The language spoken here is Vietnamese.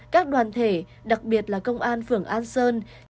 các đoàn thể đặc biệt là công an phường an sơn